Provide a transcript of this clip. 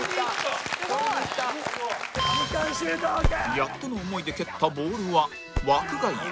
やっとの思いで蹴ったボールは枠外へ